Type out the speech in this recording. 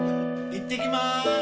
行ってきまーす！